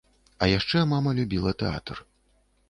А яшчэ мама любіла тэатр.